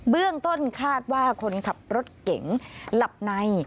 เบื้องต้นคาดว่าคนขับรถเก๋งหลับใน